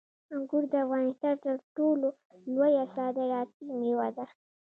انګور د افغانستان تر ټولو لویه صادراتي میوه ده.